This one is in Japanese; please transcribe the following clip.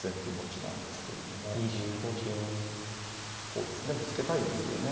そうですねぶつけたいですよね。